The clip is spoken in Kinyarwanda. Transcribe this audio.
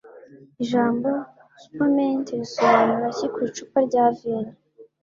Ijambo 'spumante' risobanura iki ku icupa rya vino